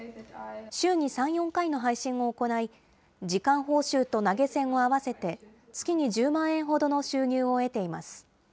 週に３、４回の配信を行い、時間報酬と投げ銭を合わせて、月に１０万円ほどの収入を得ています。